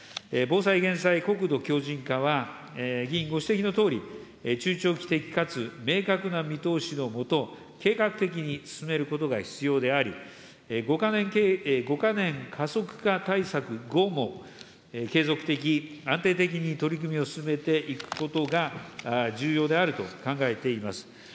防災・減災、国土強じん化は、議員ご指摘のとおり、中長期的かつ明確な見通しの下、計画的に進めることが必要であり、５か年加速化対策後も、継続的、安定的に取り組みを進めていくことが重要であると考えています。